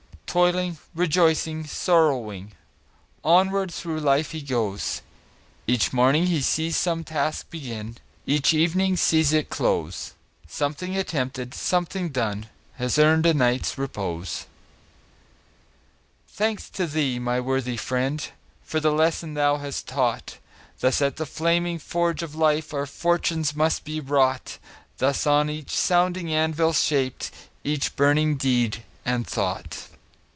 Toiling, rejoicing, sorrowing, Onward through life he goes; Each morning sees some task begin, Each evening sees it close Something attempted, something done, Has earned a night's repose. Thanks, thanks to thee, my worthy friend, For the lesson thou hast taught! Thus at the flaming forge of life Our fortunes must be wrought; Thus on its sounding anvil shaped Each burning deed and thought.